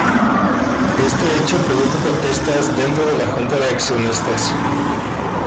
Este hecho produjo protestas dentro de la Junta de Accionistas.